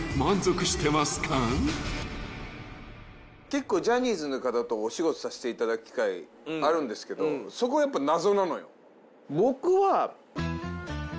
結構ジャニーズの方とお仕事さしていただく機会あるんですけどそこはやっぱ謎なのよ。